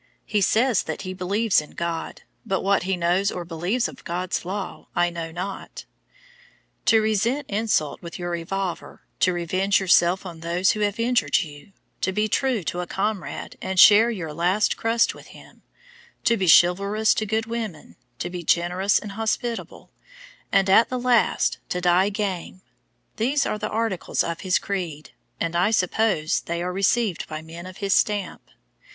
He says that he believes in God, but what he knows or believes of God's law I know not. To resent insult with your revolver, to revenge yourself on those who have injured you, to be true to a comrade and share your last crust with him, to be chivalrous to good women, to be generous and hospitable, and at the last to die game these are the articles of his creed, and I suppose they are received by men of his stamp.